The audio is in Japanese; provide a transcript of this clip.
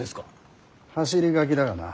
走り書きだがな。